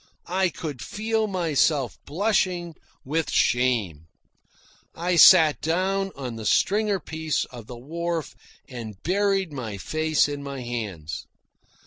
I could feel myself blushing with shame. I sat down on the stringer piece of the wharf and buried my face in my hands.